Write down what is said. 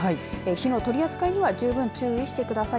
火の取り扱いには十分注意してください。